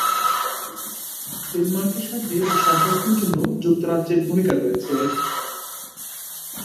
ডেনমার্কের সাথে এ সম্পর্কের জন্য যুক্তরাজ্যের ভূমিকা রয়েছে।